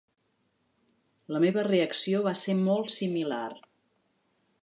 La meva reacció va ser molt similar.